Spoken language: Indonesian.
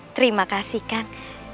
terima kasih kang